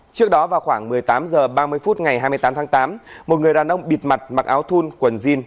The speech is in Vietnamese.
trước đó vào khoảng một mươi tám h ba mươi phút ngày hai mươi tám tháng tám một người đàn ông bịt mặt mặc áo thun quần jin